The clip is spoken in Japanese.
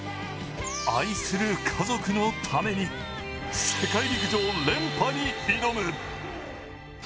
愛する家族のために世界陸上連覇に挑む！